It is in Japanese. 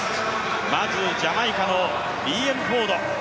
まずジャマイカのリーエム・フォード。